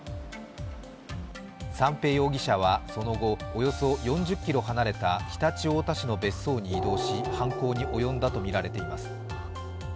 三瓶容疑者はその後、およそ４０ｋｍ離れた常陸太田市の別荘に移動し、犯行に及んだとみられています。